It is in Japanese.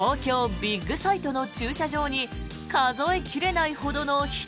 東京ビッグサイトの駐車場に数え切れないほどの人。